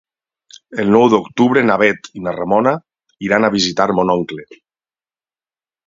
El nou d'octubre na Bet i na Ramona iran a visitar mon oncle.